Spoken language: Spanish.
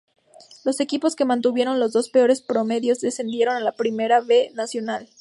Los equipos que tuvieron los dos peores promedios descendieron a la Primera B Nacional.